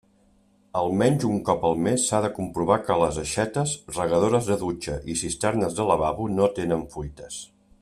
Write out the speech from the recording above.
Almenys un cop al mes s'ha de comprovar que les aixetes, regadores de dutxa i cisternes de lavabo no tenen fuites.